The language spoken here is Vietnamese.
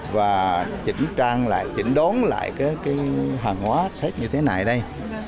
và chỉnh trang lại chỉnh đốn lại cái hàng hóa xét như thế này đây